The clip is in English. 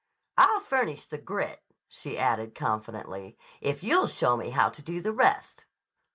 I'll furnish the grit," she added confidently, "if you'll show me how to do the rest."